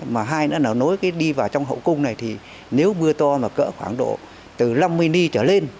mà hai nữa là nối cái đi vào trong hậu cung này thì nếu mưa to mà cỡ khoảng độ từ năm mươi ni trở lên